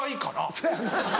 そやな。